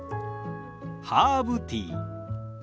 ハーブティー。